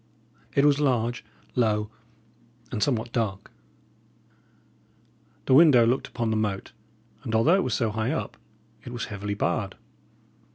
It was large, low, and somewhat dark. The window looked upon the moat, and although it was so high up, it was heavily barred.